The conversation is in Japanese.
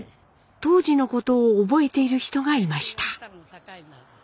当時のことを覚えている人がいました。